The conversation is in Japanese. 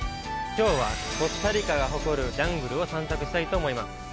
きょうは、コスタリカが誇るジャングルを探索したいと思います。